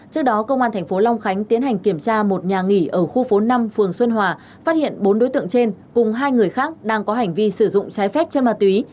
trước đó công an tp long khánh tiến hành kiểm tra một nhà nghỉ ở khu phố năm phường xuân hòa phát hiện bốn đối tượng trên cùng hai người khác đang có hành vi sử dụng trái phép chân ma túy